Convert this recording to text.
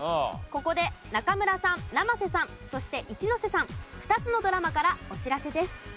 ここで中村さん生瀬さんそして一ノ瀬さん２つのドラマからお知らせです。